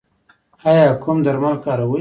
ایا کوم درمل کاروئ؟